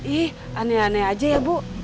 ih aneh aneh aja ya bu